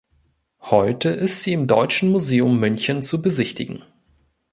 Heute ist sie im Deutschen Museum München zu besichtigen.